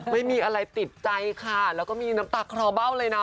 ไม่มีอะไรติดใจค่ะแล้วก็มีน้ำตาคลอเบ้าเลยนะ